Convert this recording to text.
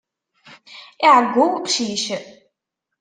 Iɛeyyu uqcic.